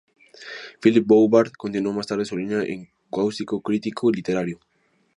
Philippe Bouvard continuó más tarde su línea de cáustico crítico literario.